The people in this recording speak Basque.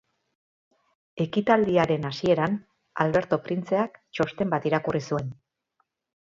Ekitaldiaren hasieran, Alberto printzeak txosten bat irakurri zuen.